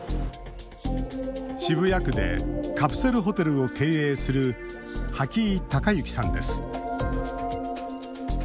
渋谷区でカプセルホテルを経営する波木井孝幸さんです。